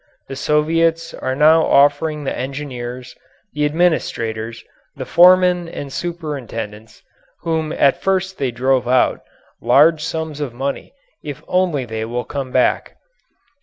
The Soviets are now offering the engineers, the administrators, the foremen and superintendents, whom at first they drove out, large sums of money if only they will come back.